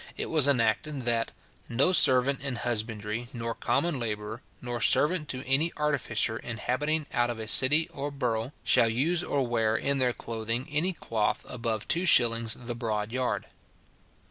it was enacted, that "no servant in husbandry nor common labourer, nor servant to any artificer inhabiting out of a city or burgh, shall use or wear in their clothing any cloth above two shillings the broad yard."